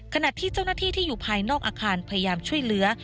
ขณะที่เจ้าหน้าที่ที่อยู่ภายนอกอาคารพยายามช่วยเหลือ